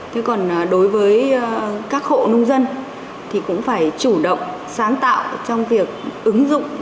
thế còn đối với các hộ nông dân thì cũng phải chủ động sáng tạo trong việc ứng dụng